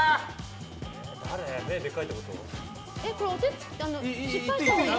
目、でかいってこと？